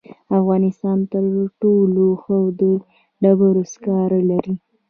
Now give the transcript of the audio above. افغانستان تر ټولو ښه د ډبرو سکاره لري.